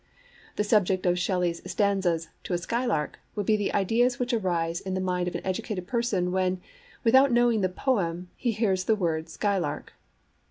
The subject of Shelley's stanzas To a Skylark would be the ideas which arise in the mind of an educated person when, without knowing the poem, he hears the word 'skylark.'